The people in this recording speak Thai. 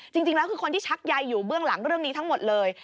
จริงแล้วคือคนที่ชักใยอยู่เบื้องหลังเรื่องนี้ทั้งหมดเลย